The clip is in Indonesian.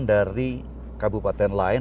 dari kabupaten lain